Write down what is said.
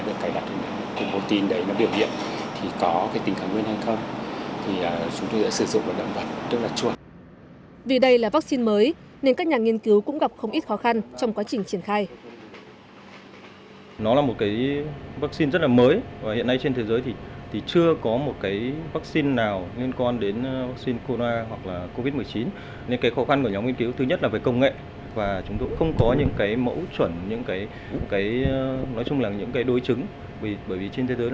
vì đây là vaccine mới nên các nhà nghiên cứu cũng gặp không ít khó khăn trong quá trình triển khai